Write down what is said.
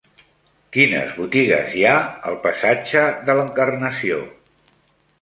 Quines botigues hi ha al passatge de l'Encarnació?